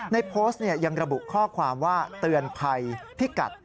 ในโพสต์ยังระบุข้อความว่าเตือนภัยพิกัด